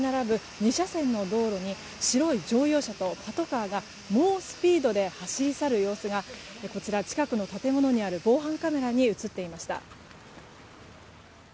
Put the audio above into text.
２車線の道路に白い乗用車とパトカーが猛スピードで走り去る様子がこちら、近くの建物にある防犯カメラに映っていました。